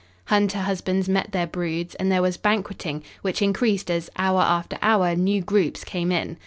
Hunter husbands met their broods, and there was banqueting, which increased as, hour after hour, new groups came in.